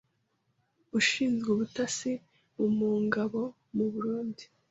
ushinzwe ubutasi mu ngabo mu Burundi